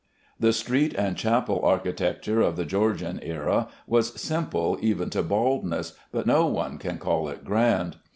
The street and chapel architecture of the Georgian era was simple even to baldness, but no one can call it grand.